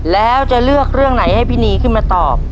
แล้วจะเลือกเรื่องไหนให้พี่นีขึ้นมาตอบ